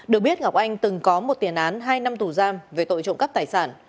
được biết ngọc anh từng có một tiền án hai năm tù giam về tội trộm cắp tài sản